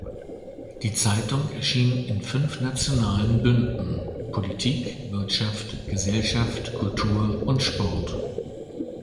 Die Zeitung erschien in fünf nationalen Bünden: «Politik», «Wirtschaft», «Gesellschaft», «Kultur» und «Sport».